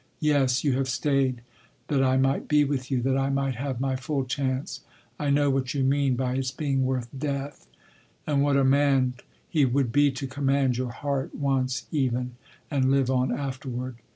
Yes, you have stayed—that I might be with you—that I might have my full chance. I know what you mean by its being worth death—and what a man he would be to command your heart once, even—and live on afterward....